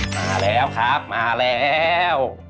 มาแล้วครับมาแล้ว